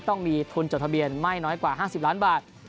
ต้องมีทุนจดทะเบียนไม่น้อยกว่า๕๐ล้านบาท